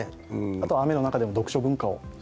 あとは、雨の中でも読書文化を。